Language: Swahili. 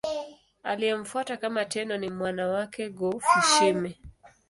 Aliyemfuata kama Tenno ni mwana wake Go-Fushimi.